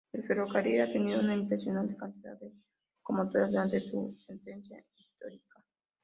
El ferrocarril ha tenido una impresionante cantidad de locomotoras durante su centenaria historia.